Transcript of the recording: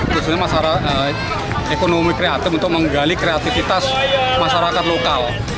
maksudnya masyarakat ekonomi kreatif untuk menggali kreatifitas masyarakat lokal